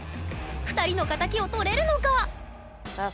２人の敵を取れるのか⁉さあ